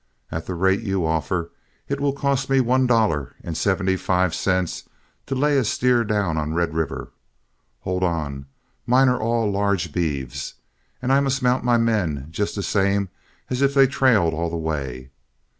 At the rate you offer, it will cost me one dollar and seventy five cents to lay a steer down on Red River. Hold on; mine are all large beeves; and I must mount my men just the same as if they trailed all the way.